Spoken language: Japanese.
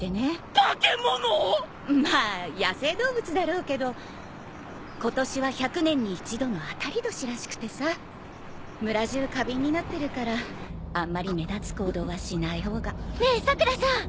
まあ野生動物だろうけど今年は１００年に１度の当たり年らしくてさ村中過敏になってるからあんまり目立つ行動はしない方が。ねえさくらさん。